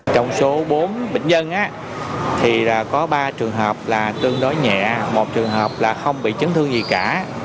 trong số bốn bệnh nhân thì có ba trường hợp là tương đối nhẹ một trường hợp là không bị chấn thương gì cả